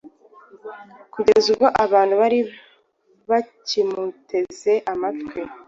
Kugeza ubwo abantu bari bakimuteze amatwi,